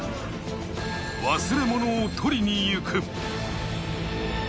忘れ物を取りに行く。